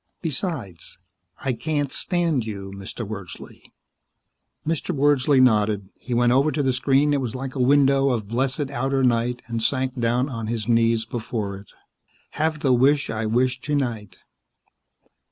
" besides, I can't stand you, Mr. Wordsley." Mr. Wordsley nodded. He went over to the screen that was like a window of blessed outer night and sank down on his knees before it. _Have the wish I wish tonight.